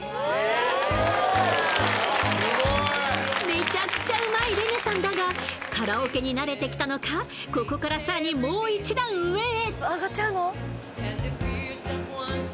めちゃくちゃうまいレネさんだが、カラオケに慣れてきたのか、ここから更にもう一段上へ。